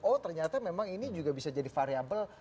oh ternyata memang ini juga bisa jadi variable